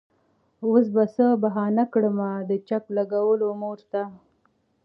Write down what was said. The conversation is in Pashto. وس به څۀ بهانه کړمه د چک لګولو مور ته